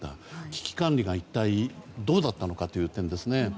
危機管理が、一体どうだったのかという点ですね。